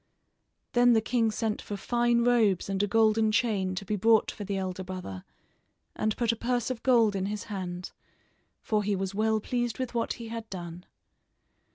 Then the king sent for fine robes and a golden chain to be brought for the elder brother, and put a purse of gold in his hand, for he was well pleased with what he had done.